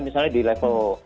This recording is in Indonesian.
misalnya di level kompetensi